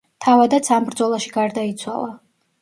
თავადაც ამ ბრძოლაში გარდაიცვალა.